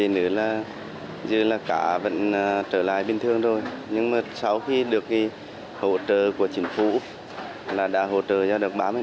như là cả vẫn trở lại bình thường rồi nhưng mà sau khi được hỗ trợ của chính phủ là đã hỗ trợ cho được ba mươi